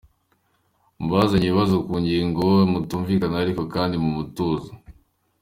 Mubazanye ibibazo ku ngingo mutumvikanaho ariko kandi mu mutuzo.